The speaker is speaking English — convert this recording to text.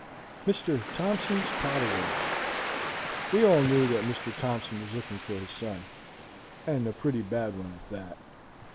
MR THOMPSON'S PRODIGAL We all knew that Mr. Thompson was looking for his son, and a pretty bad one at that.